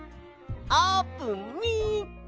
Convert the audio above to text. あーぷんみっけ！